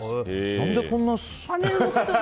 何でこんな。